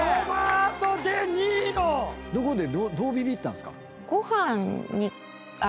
どこでどうビビったんですか？